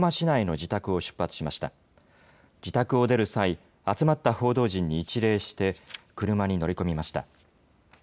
自宅を出る際、集まった報道陣に一礼して、車に乗り込みました。